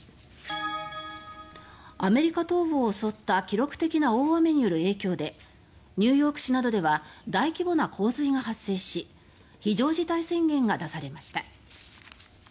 アメリカ東部を襲った記録的な大雨による影響でニューヨーク市などでは大規模な洪水が発生し非常事態宣言が出されました。